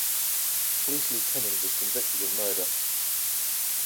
A police lieutenant was convicted of murder.